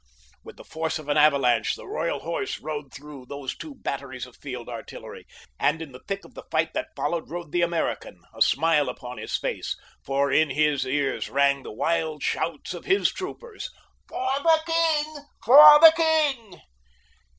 With the force of an avalanche the Royal Horse rode through those two batteries of field artillery; and in the thick of the fight that followed rode the American, a smile upon his face, for in his ears rang the wild shouts of his troopers: "For the king! For the king!"